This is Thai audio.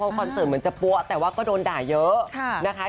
คอนเสิร์ตเหมือนจะปั๊วแต่ว่าก็โดนด่าเยอะนะคะ